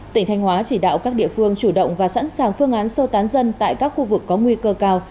tỉnh thanh hóa chỉ đạo các địa phương chủ động và sẵn sàng phương án sơ tán dân tại các khu vực có nguy cơ cao